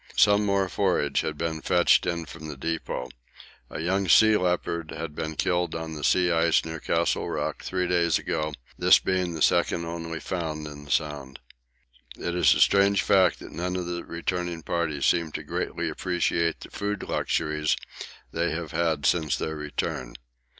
Some more forage had been fetched in from the depot. A young sea leopard had been killed on the sea ice near Castle Rock three days ago, this being the second only found in the Sound. It is a strange fact that none of the returning party seem to greatly appreciate the food luxuries they have had since their return.